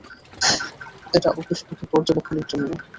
এটা শুধু ওকে পর্যবেক্ষণের জন্য!